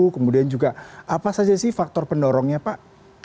kemudian juga apa saja sih faktor pendorongnya pak